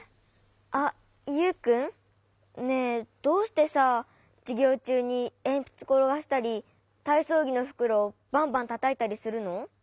あっユウくん？ねえどうしてさじゅぎょうちゅうにえんぴつころがしたりたいそうぎのふくろバンバンたたいたりするの？